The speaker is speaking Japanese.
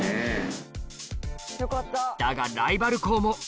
だがライバル校も・